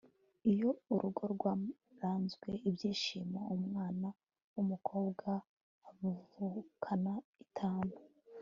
iyo urugo rwarazwe imishino, umwana w'umukobwa avukana itanu